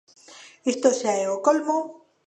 ¡Isto xa é o colmo!